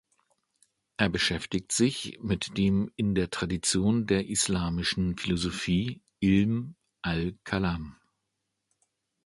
Er beschäftigt sich mit dem in der Tradition der islamischen Philosophie Ilm al-Kalam.